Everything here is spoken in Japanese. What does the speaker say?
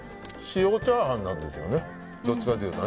塩チャーハンなんですよね。